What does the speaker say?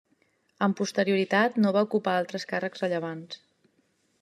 Amb posterioritat no va ocupar altres càrrecs rellevants.